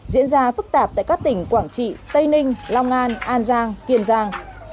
diễn ra phức tạp tại các tỉnh quảng trị tây ninh long an an giang kiên giang